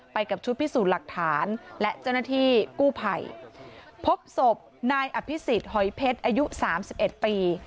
ไปกับชุดพิสูจน์หลักฐานและเจ้าหน้าที่กู้ภัยพบศพนายอภิษฎหอยเพชรอายุสามสิบเอ็ดปี